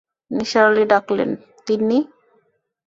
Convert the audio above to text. নিসার আলি ডাকলেন, তিন্নি।